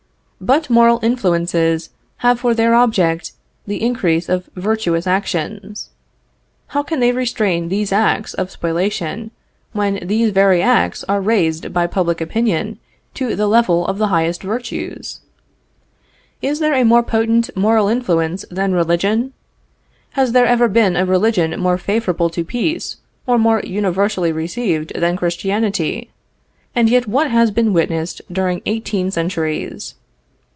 But moral influences have for their object the increase of virtuous actions. How can they restrain these acts of spoliation when these very acts are raised by public opinion to the level of the highest virtues? Is there a more potent moral influence than religion? Has there ever been a religion more favorable to peace or more universally received than Christianity? And yet what has been witnessed during eighteen centuries?